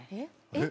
えっ？